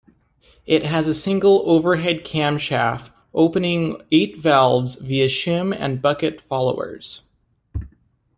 It has a single overhead camshaft opening eight valves via shim-and-bucket followers.